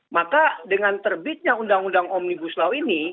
maka dengan terbitnya undang undang omnibus law ini